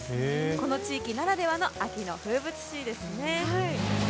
この地域ならではの秋の風物詩ですね。